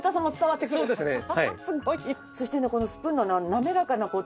そしてこのスプーンの滑らかな事。